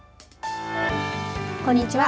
こんにちは。